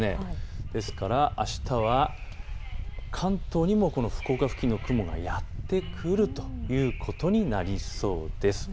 ですからあしたは関東にもこの福岡付近の雲がやって来るということになりそうです。